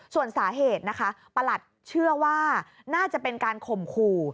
ส่วนสาเหตุนะคะประหลัดเชื่อว่าน่าจะเป็นการข่มขู่